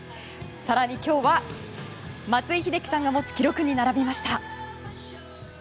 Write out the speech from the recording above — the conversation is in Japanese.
更に、今日は松井秀喜さんが持つ記録に並びました。